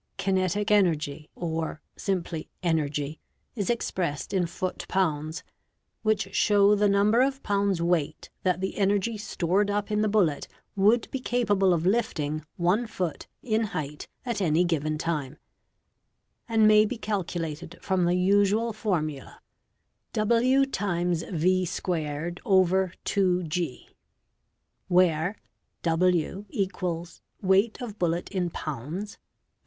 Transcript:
" Kinetic energy", or simply '"'energy'', is expressed in foot pounds, which show the number of pounds weight that the energy stored up in the bullet would be capa ble of lifting 1 foot in height at any given time; and may be calculated from the usual formula, a where w—weight of bullet in pounds.